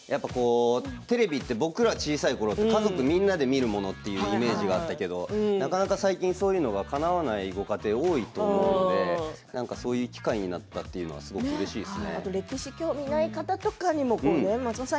テレビは僕が小さいころは家族みんなで見るものというイメージがあったけどなかなか最近そういうのがかなわないご家庭が多いと思うのでそういう機会になったのはうれしいですね。